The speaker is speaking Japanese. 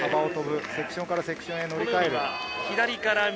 セクションからセクションへ乗り換える。